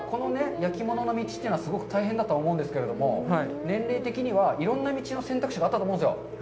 焼き物の道というのは大変だと思うんですけれども、年齢的には、いろんな道の選択肢があったと思うんですよ。